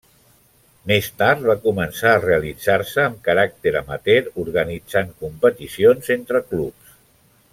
Més tard va començar a realitzar-se amb caràcter amateur, organitzant competicions entre clubs.